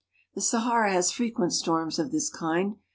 The Sahara has frequent storms of this kind.